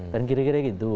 dan kira kira gitu